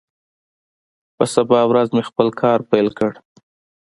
په سبا ورځ مې خپل کار پیل کړ.